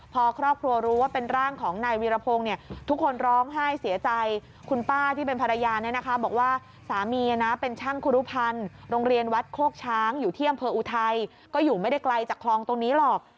พอครอบครัวรู้ว่าเป็นร่างของนายวีรพงศ์เนี่ยทุกคนร้องไห้เสียใจคุณป้าที่เป็นภรรยาเนี่ยนะคะบอกว่าสามีนะเป็นช่างครูรุภัณฑ์โรงเรียนวัดโคกช้างอยู่ที่อำเภออุทัยก็อยู่ไม่ได้ไกลจากคลองตรงนี้หรอก